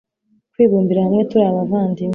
kwibumbira hamwe turi abavandimwe